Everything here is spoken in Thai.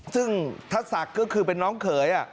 ซึ่งทัศกก็คือเป็นน้องเขย